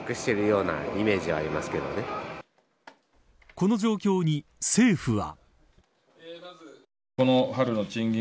この状況に政府は。